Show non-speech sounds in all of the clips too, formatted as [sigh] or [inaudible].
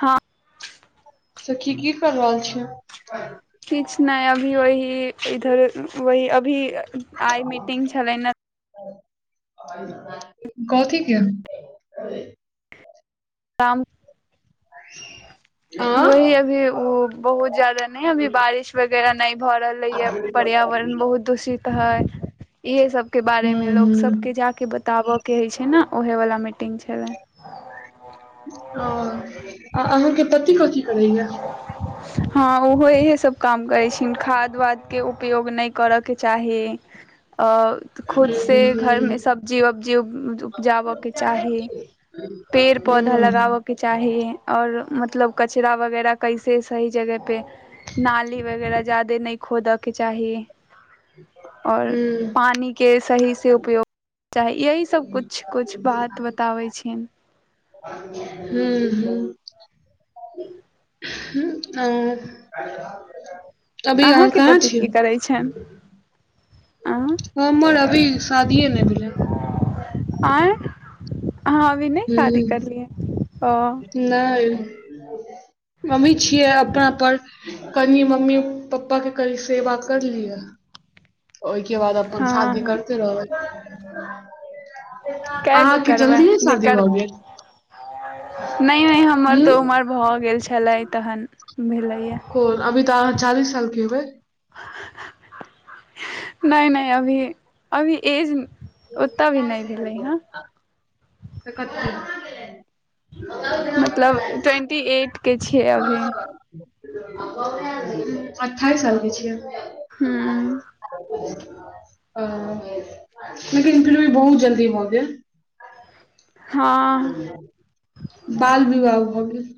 हँ। सखी की कऽ रहल छी आहां। किछ ने अभी वही इधर वही अभी आइ मीटिंग छले ने। कथि के। बाम। [inaudible] वही आँ अभी ओ बहुत जाददा नहि अभी बारिश वगैरह नहि भऽ रहल है यऽ। पर्यावरण बहुत दूषित है। इहे सब के हूँ बारे मे लोग हूँ सब के जााक बताबे के हय छै ने, ओहे वाला मीटिंग छले। ओ आ अहाँके पति कथी करैएा हँ ओहो इहे सब काम करै छै खाद वाद के उपयोग नहि करऽ के चाही अ खुद से घर में हूँ सब्जी वब्जी उपजाबयके चाही। पेड़ पौधा हूँ लगाबऽके चाही आओर मतलब। कचरा वगैरह कैसे सही जगह पे नाली वगैरह जादे नहि खोदऽ के चाही। [inaudible] और पानी के सही से उपयोग चाही यही सभ किुछु - किछु बात बताबै छै। हू -हूं। हुं अऽ अभी आहां अहाँके पति की करै कहाँ छनि छियै। अ हमर अभी शादीए ने भेलै है। आंय आहां अभि नै शादी करलियै ह। नय मम्मी छियै अपना पर। कनि मम्मी पप्पा के कनि सेवा कर लिय। ओहिके बाद अपन हँ शादी हँ करते रहब। कए गो अहाँके करबै जल्दीए जे शादी कर भऽ गेल। नहि नहि हमर तऽ हूँ उमर भऽ गेल छलै तहन भेलैया। ओ अभी तऽ अहाँ चालीस सालके हेबई। नय नय अभी अभी एज ओत भी न भेलै हँ। तऽ कते? मतलब ट्वेंटी एट के छियै अभी। अठाइस सालके छियै। हुं। अ, लेकिन फिर भी बहुत जल्दी भ गेल। हँ बाल विवाह भ गेल।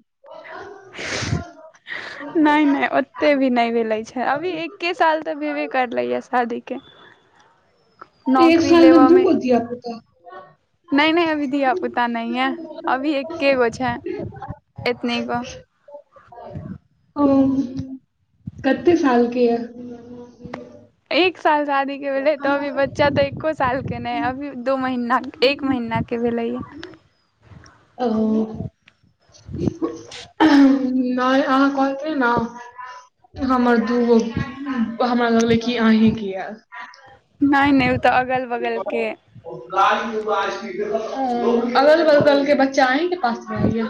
नहि [inaudible] नहि ओते भी नै भेलै छै अभी एके साल त भेबे करलैए शादीेके। एक साल मे दू गो धीया पूता। नै नै अभी धिया पुता नै या अभी एके गो छै एतनी गो। ओ कते साल के या? [inaudible] एक साल शादीके भेलै त अभी बच्चा त एको सा सालके नै अभी दू महिनाके एक महिनाके भेलैया। ओ। नय अहाँ कहत रही न। हमर दू गो हमरा लगलै कि अहींके या। नै नै उ त अगल [inaudible] बगल के अगल बगल के बच्चा अहींके पास रहैया।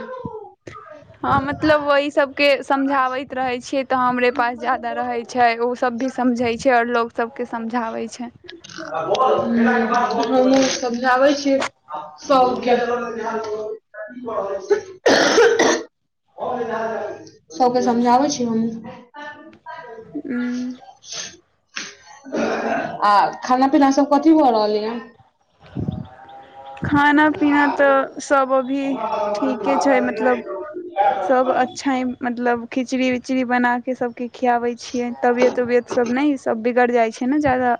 हँ मतलब ओही सबके समझाबैत रहै छियै त हमरे पास जादा रहै छै ओ सब भी समझै छै आओर लोक सबके समझाबै छै। हुं हमहुँ समझाबै छियैय। सब के। सबके समझाबै छियैय हमहुं। हुं। [inaudible] आ खाना पीना सब कथी भ रहलै या। खाना पीना त सब अभी ठीके छै मतलब सब अच्छा ही मतलब खिचड़ी उचड़ी बना के सब के खियाबै छियै तबियत उबियत सब नै सब बिगड़ि जाइ छै ने जादा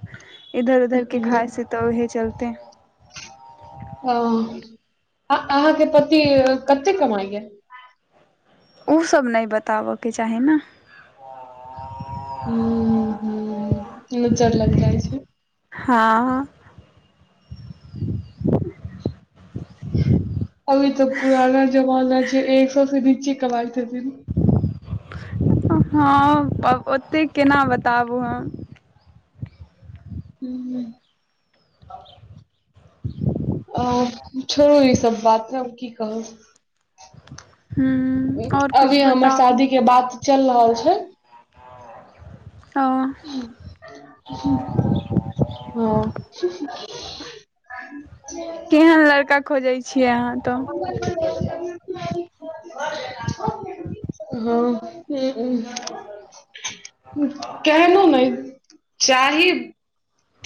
इधर उधर के खाइ से त उहे चलते। अं आ अहाँके पति कते कमाइया? उ सब नै बताबके चाही न। उं हुं, नजर लग जाइ छै। हँ। [inaudible] अभी त पुराना जमाना छै एक सौ से नीचे कमाइ छथिन। हँ आब ओतेक केना बताबू हम। हूं। छोरु ई सब बात हम की कहब। हुं। अभी हमर शादी के बात चल रहल छै। ओ। हँ। केहन लड़का खोजै छियै अहाँ तब। [inaudible] हँ। [inaudible] केहनो नहि, चाही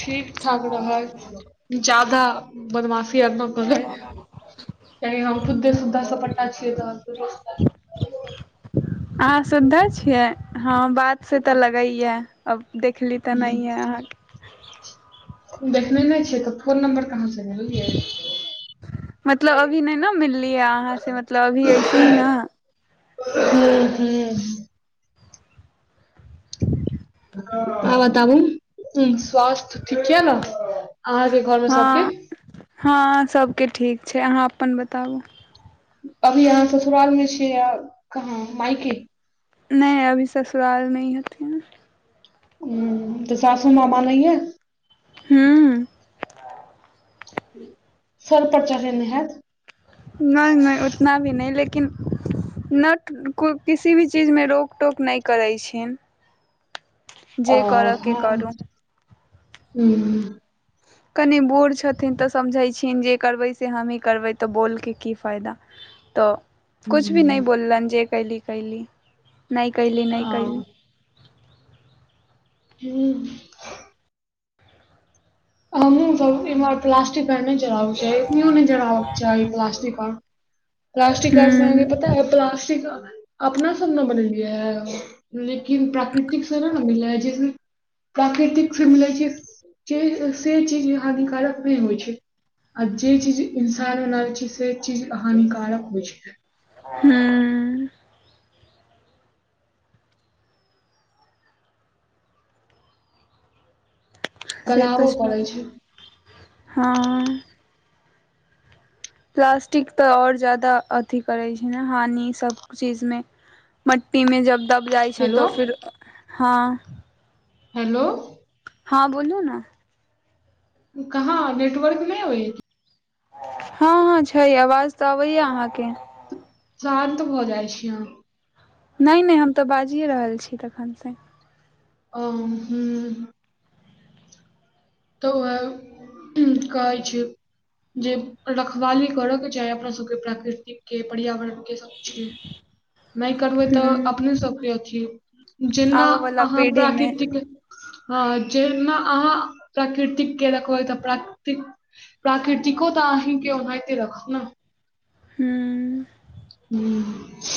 ठीक ठाक रहै। जादा बदमाशी आर न करै। कियै कि हम खुद्दे सुधा सप्पटा छी त‌‌‍ऽ। [inaudible] अहां सुद्धा छियै हँ बात से तऽ लगैय अब देखली। तेनाहिए अहाँ देखने नहि छिय तऽ फोन नम्बर कहाँ से लेलियै मतलब अभी नहि ने मिलली ह अहाँ से मतलब अभी ऐसे ही ना। हू हू। आ बताबू स्वास्थ ठीक य ने अहाँके घर मे सबके। हँ हँ सबके ठीक छै अहाँ अपन बताबू। अभी अहाँ ससुराल मे छियै या कहाँ माइके। नहि अभी ससुराल में हि हथिन। ह्म्म तऽ सासूमाँ मानहि यै। हूँ। सर पर चढ़ेनेे हैत। नहि नहि उतना भी नहि लेकिन नट किसी भी चीजमे रोकटोक नहि करैत छीन। आ जे कर के यै करू। हू। कनि बूढ़ छथिन तऽ समझै छिन जे करबै से हमहीँ करबै तऽ बोलके की फायदा। तऽ कुछु भी हूँ नहि बोललनि जे कयली कयली नहि कयली नहि आ कयली। हू। हमहु सब इमहर प्लास्टिकने आर नय जराबक चाही इतनीयो नय जराबक चाही प्लास्टिक आर प्लास्टिक आर स अहाँ के हूँ पता अइ प्लास्टिक अपना सब ने बनेलिया। लेकिन प्राकृतिक स नय ने मिलै जेकी प्राकृतिक से मिलै छे से, से चीज हानिकारक नहि होइ छै। आ जे चीज इंसान बनाबे छै से चीज हानिकारक होइ छै। हुं। से गलाबो तऽ छै, पड़ै हँ। प्लास्टिक तऽ आओर जादा अथि करैत छै ने हानि सभ चीजमे। मट्टी मे जब दब जाइ छै हेलो तऽ फिर, हँ। हेलो। हँ बोलू ने। कहाँ नेटवर्क नै अबैये। हँ हँ छै, आवाज तऽ अबैये अहाँके शांत भ जाइ छी अहां। नहि नहि हम तऽ बाजिए रहल छी तखनसे। आ हुं। तऽ ओह कहै छियौ जे रखवाली करऽ के चाही अपना सबके प्राकृतिक के पर्यावरण के सबकुछ के नहि करबै तऽ हूँ अपने सभके अथि, जेना आबऽ वाला अहाँ पीढ़ी मे प्राकृतिक हँ जेना अहाँ प्राकृतिक के रखबै तऽ प्राकृतिक प्राकृतिको तऽ अहीं के ओनाहिते राखत ने। हुं। हुं।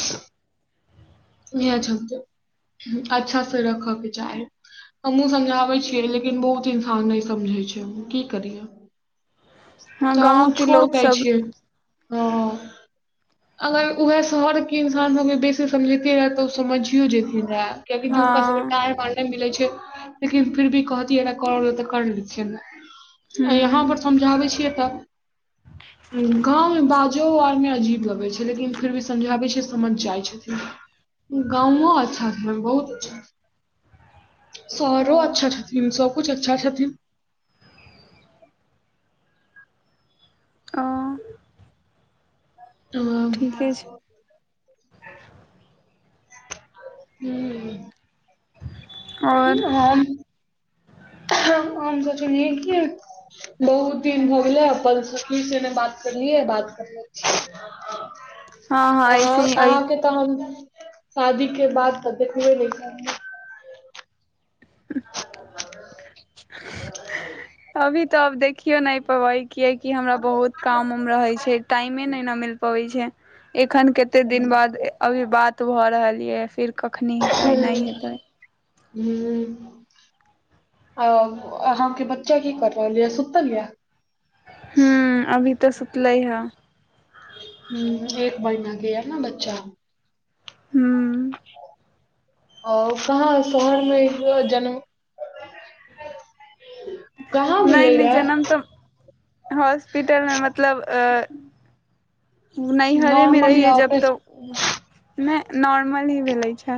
इहे चलते अच्छा से रखऽके चाही। हमहुूँ समझाबै छियै लेकिन बहुत इंसान नहि समझै छै की करियै। हँ तऽ हमहु गाँंव के छोड़ लोक दै सब छियै, हां। अगर उएह शहर के इंसान सब बेसी समझेते रहे तऽ ओ समझियो जेथिन रहे। कियाकि जे हुनका सबके हँ टायर बारे मे मिलै छै लेकिन फिर भी कहतियै ने करऽ ले तऽ कर लै छियै। यहाँ हूँ पर समझाबे छियै तऽ गाँव मे बात जो आरमे अजीब लगै छै लेकिन फिर भी समझाबै छियै त समझ जाइ छथिन। गाँवो अच्छा भेल, बहुत अच्छा। ओ शहरो अच्छा छथिन, सब कुछ अच्छा छथिन। ओ। ओ। ठीके छै हुं। कि और हम, हम सोचलियै कि बहुत दिन भ गेलै अपन सखी से ने बात करलियै, बात कर लै छी। हं। हँ हँ अ ऐसे ही अइ अहाँके तऽ हम, शादी के बाद तऽ देखबे नै केलियै। अभी तऽ अब देखि केओ नहि पबै कियाकि हमरा बहुत काम उम रहै छै, टाइमे नै मिल पबै छै। एखन कते दिन बाद अभी बात भऽ रहल ये फिर कखनी। हेतै नहि हेतै हुं। अ अहाँके बच्चा की क रहल ये सुतल ये। हुं, अभी तऽ सुतलै हे। हुं एक महिना गे ने बच्चा। हुं। आर कहाँ शहरमे होअल जनम कहाँ नहि भेलै नहि रहै। जनम तऽ हॉस्पिटल मे मतलब अ नैहरे मे नॉर्मल रहिे या जब ऑपरेशन तऽ, नॉर्मल ही भेल छै।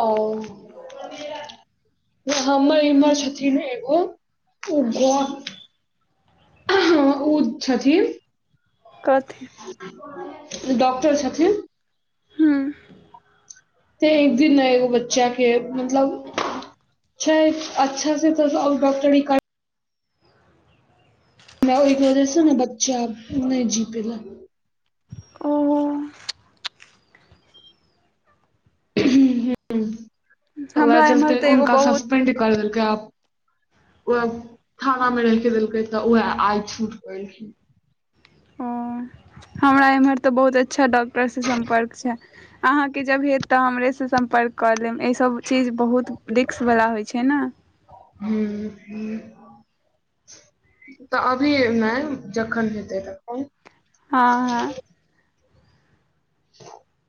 ओ। हमर इम्हर छथिने एगो [unintelligible] हं उ छथिन। कथि डॉक्टर छथिन। हुं त एक दिन न एगो बच्चा के मतलब छय अच्छा से तऽ आउ डॉक्टरी कर हमरा ओहिके वजह स न बच्चा नहि जी पेला। ओ जु जु। वैह हमरा एम्हर चलते तऽ एगो उनका बहुत संस्पेड कर देलकै आ उह थाना में रहि के देलकै त, वैह आय छूटक ऐलखिन। ओ हमरा एम्हर त बहुत अच्छा डॉक्टरस सम्पर्क छय। अहांके जब हेत त, हमरे से सम्पर्क क लेब अय सब चीज बहुत रिक्क बला होइ छै न। हुं- हुं त अभी नय जखन हेतै तखन। हं- हं [inaudible]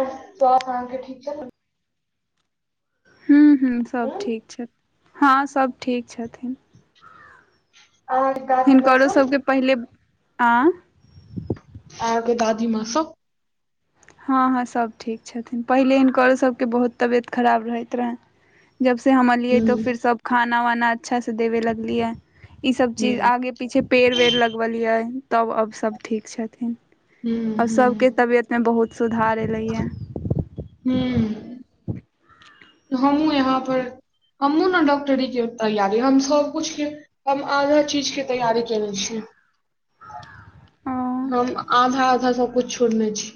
साउस अहां के ठीक छले। हुं- हुं सभ ठीक छथि, हं सब ठीक छथिन। और हिनकरो सभके पहिले आं आरब के दादी मां सब। हं-हं सभ ठीक छथिन, पहिले हिनकरो सभके बहुत तबियत खराब रहैत रहनि। जबसं हम अलियै त हुँ, फिर सब खाना वाना अच्छासे देबे लगलियै, ईसभ चीज हुँ, आगे पीछे पेड़ वेड़ लगवल ये, तब अब सब ठीक छथिन, हुँ, अब सबके हुँ, तबियत में बहुत सुधार ऐलये। हुं हमहुँ यहाँ पर हमहुं न डॉक्टरी के तैयारी, हम सबकुछ के हम आधा चीज के तैयारी केनेे छी। ओ हम आधा -आधा सब कुछ छोड़ने छी।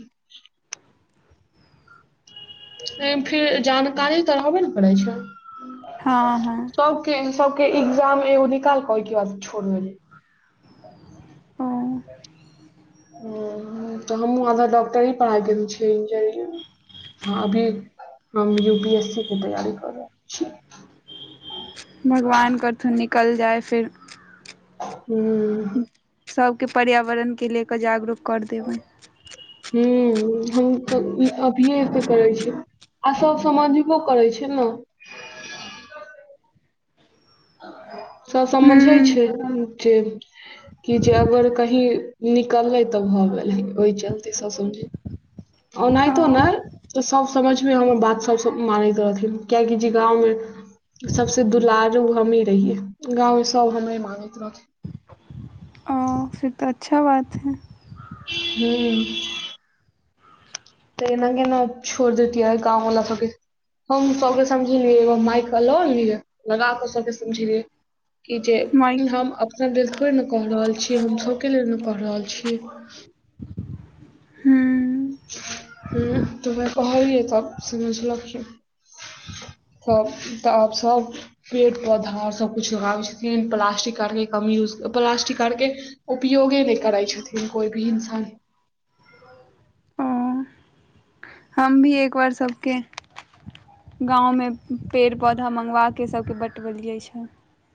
एहिमे फिर जानकारी त रहबे ने परे छय। हं- हं। [unintelligible] सब के एग्जाम एगो निकाल क, ओहिके बाद छोड़ देलिये। हं। ओ त हमु आधा डॉक्टरी, पढाइ केने छीय इंजरिंग। हां अभी हम यू पी एस सी के तैयारी कर रहल छी। भगवान करथुन निकल जाय फेर। हूं सभके पर्यावरणके ले क जागरूक कर देबनि। हुं हम त अभिये एते करे छी। आ सब समाजिको करै छय न। सब समझय हूँ छै जे। कि जे अगर कही निकलले त भ गेली ओहि चलते सब समझय। ओहनाइतो न। ओ तऽ सभ समझ मे हमर बात सभ मानैत रहथिन किएकि जे गाँवमे सबसे दुलारू हमही रहियै गाँंव मे सब हमरे मानैत रह हॅं से तऽ अच्छा बात ह। हू त एना केना छोड़ दैतियै गाँव बला सबके। हम सबके समझेलियै एगो माइक ल लिय लगाके सबके समझेलियै। कि जे माइक हम अपना लेल थोड़े ने कऽ रहल छियै, हम सभके लेल ने कहि रहल छीयै। हूँ हूॅं त वेएह कहलियै तब समझलऽखिन। त तऽ आब सब पेड़ पौधा सबकिछ लगाबै छथिन प्लास्टिक आरके कम यूज प्लास्टिक आरके उपयोगे नहि करै छथिन कोइ भी इन्सान। ओ हम भी एकबार सभके गाँवमे पेड़ पौधा मङ्गवा केऽ सभके बँटबल जाइत छै।